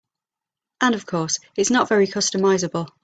And of course, it's not very customizable.